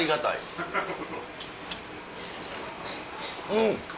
うん。